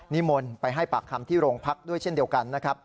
นิมนต์ไปให้ปากคำที่โรงพักด้วยเช่นเดียวกันนะครับ